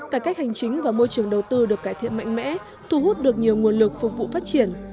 cải cách hành chính và môi trường đầu tư được cải thiện mạnh mẽ thu hút được nhiều nguồn lực phục vụ phát triển